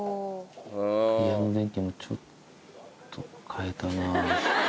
部屋の電気もちょっと変えたな。